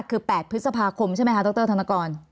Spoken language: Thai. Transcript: คือ๘พฤษภาคมใช่ไหมคะดรธนกร